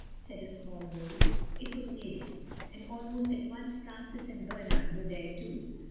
said a small voice. It was Mavis—and almost at once Francis and Bernard were there too.